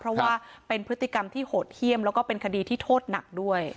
เพราะว่าเป็นพฤติกรรมที่โหดเยี่ยมแล้วก็เป็นคดีที่โทษหนักด้วย